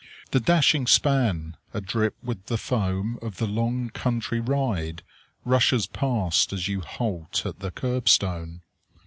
The dashing span, adrip with the foam of the long country ride, rushes past as you halt at the curb stone.